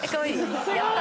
やった。